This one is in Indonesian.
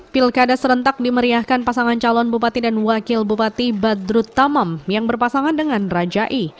pilkada serentak dimeriahkan pasangan calon bupati dan wakil bupati badrut tamam yang berpasangan dengan rajai